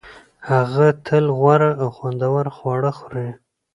هغه تل غوره او خوندور خواړه خوري